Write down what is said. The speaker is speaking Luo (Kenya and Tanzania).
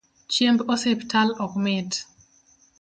Chiemb osiptal ok mit